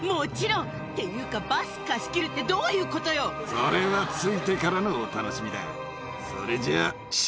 それは着いてからのお楽しみだ。